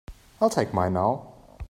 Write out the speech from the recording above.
I'll take mine now.